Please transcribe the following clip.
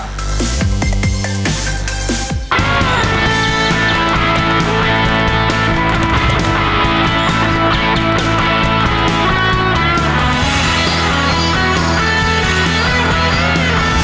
สวัสดีครับ